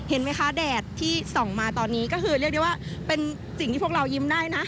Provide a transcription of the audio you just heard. เห็นไหมคะแดดที่ส่องมาตอนนี้ก็คือเรียกได้ว่าเป็นสิ่งที่พวกเรายิ้มได้นะ